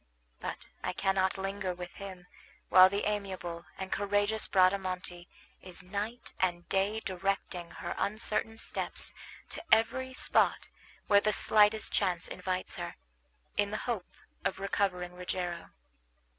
But I cannot linger with him while the amiable and courageous Bradamante is night and day directing her uncertain steps to every spot where the slightest chance invites her, in the hope of recovering Rogero.